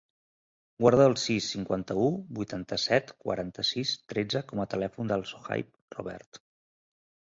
Guarda el sis, cinquanta-u, vuitanta-set, quaranta-sis, tretze com a telèfon del Sohaib Robert.